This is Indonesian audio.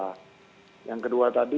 nah yang kedua tadi